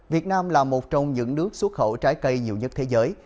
việt nam là một trong những nước xuất khẩu trái cây nhiều nhất thế giới